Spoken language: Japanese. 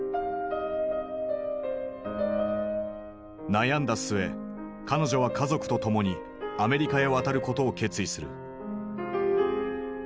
悩んだ末彼女は家族と共にアメリカへ渡ることを決意する。